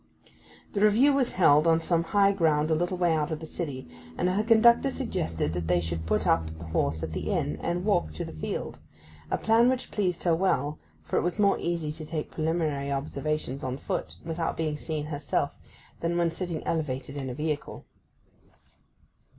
The Review was held on some high ground a little way out of the city, and her conductor suggested that they should put up the horse at the inn, and walk to the field—a plan which pleased her well, for it was more easy to take preliminary observations on foot without being seen herself than when sitting elevated in a vehicle.